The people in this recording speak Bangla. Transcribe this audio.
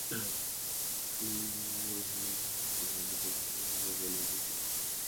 এরকম জটিল বাস্তবতায় আশির দশকের কায়দায় দেশ চালানোর খেসারত অনেক বেশি।